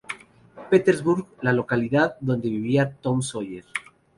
Petersburg", la localidad donde vivía Tom Sawyer.